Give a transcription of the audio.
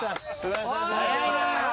早いな！